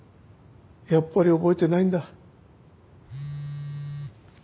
やっぱり覚えてないんだ。